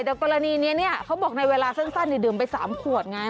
แต่กรณีนี้เนี่ยเขาบอกในเวลาสั้นดื่มไป๓ขวดไง